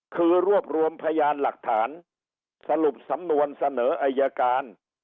คือรวบรวมพยานหลักฐานสรุปสำนวนเสนออายการ